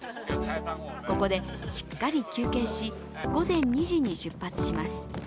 ここでしっかり休憩し、午前２時に出発します。